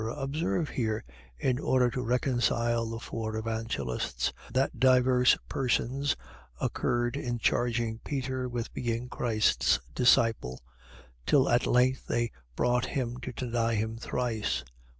.Observe here, in order to reconcile the four Evangelists, that divers persons concurred in charging Peter with being Christ's disciple; till at length they brought him to deny him thrice.